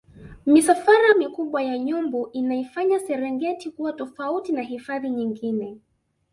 misafara mikubwa ya nyumbu inaifanya serengeti kuwa tofauti na hifadhi nyingine